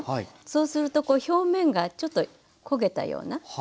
そうするとこう表面がちょっと焦げたような。